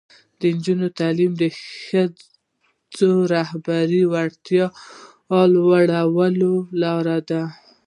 د نجونو تعلیم د ښځو رهبري وړتیا لوړولو لاره ده.